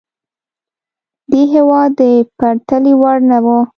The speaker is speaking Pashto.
دې هېواد د پرتلې وړ نه وه.